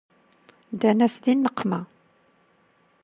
Ddan-as di nneqma.